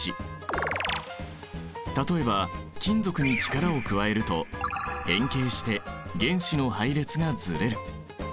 例えば金属に力を加えると変形して原子の配列がずれる。